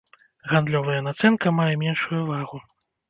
Гандлёвая нацэнка мае меншую вагу.